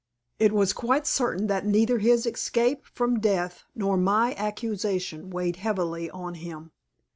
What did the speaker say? It was quite certain that neither his escape from death nor my accusation weighed heavily on him.